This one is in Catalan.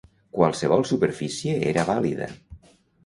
Qualsevol superfície era vàlida.